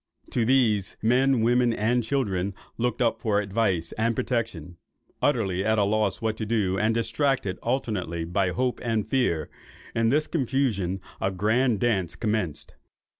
To these, men, women, and children, looked up for advice and protection. Utterly at a loss what to do, and distracted alternately by hope and fear, in this confusion a grand dance commenced.